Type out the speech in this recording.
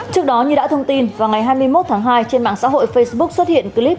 trước đó như đã thông tin vào ngày hai mươi một tháng hai trên mạng xã hội facebook xuất hiện clip